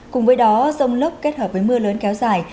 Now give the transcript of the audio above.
cùng với đó rông lốc kết hợp với mưa lớn kéo dài